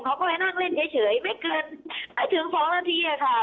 เขาก็ไปนั่งเล่นเฉยไม่เกินไม่ถึง๒นาทีค่ะ